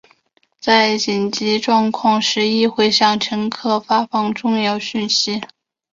在紧急状况时亦会向乘客发放重要讯息。